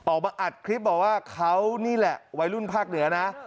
ออกมาอัดคลิปบอกว่าเขานี่แหละวัยรุ่นภาคเหนือนะ